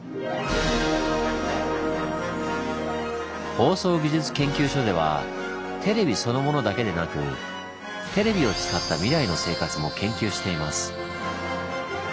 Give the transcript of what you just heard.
放送技術研究所ではテレビそのものだけでなくテレビを使った未来の生活も研究しています。